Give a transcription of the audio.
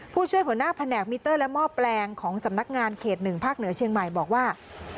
ผู้ช่วยหัวหน้าแผนกมิเตอร์และหม้อแปลงของสำนักงานเขต๑ภาคเหนือเชียงใหม่บอกว่า